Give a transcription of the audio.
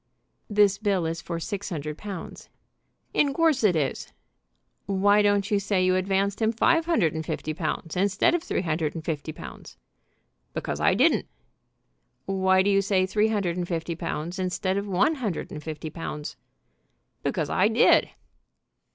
"This bill is for six hundred pounds." "In course it is." "Why don't you say you advanced him five hundred and fifty pounds instead of three hundred and fifty pounds?" "Because I didn't." "Why do you say three hundred and fifty pounds instead of one hundred and fifty pounds?" "Because I did."